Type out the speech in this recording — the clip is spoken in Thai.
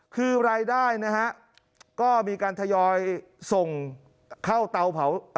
คือรายได้นะฮะก็มีการทยอยส่งเข้าเตาเผา